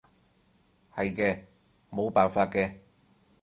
係嘅，冇辦法嘅